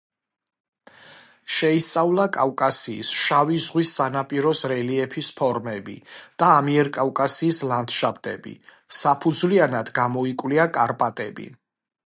შეისწავლა კავკასიის შავი ზღვის სანაპიროს რელიეფის ფორმები და ამიერკავკასიის ლანდშაფტები; საფუძვლიანად გამოიკვლია კარპატები.